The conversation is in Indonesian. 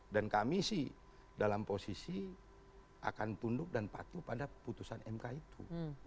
dan kami sih dalam posisi akan tunduk dan patuh pada putusan mk itu